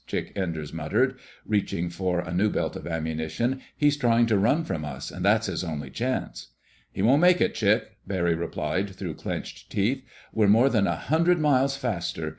Chick Enders muttered, reaching for a new belt of ammunition. "He's trying to run from us, and that's his only chance." "He won't make it, Chick," Barry replied through clenched teeth. "We're more than a hundred miles faster....